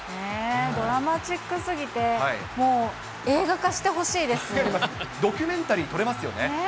ドラマチックすぎて、もう、ドキュメンタリー、撮れますよね。